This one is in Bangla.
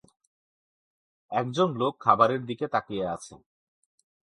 একজন লোক খাবারের দিকে তাকিয়ে আছে।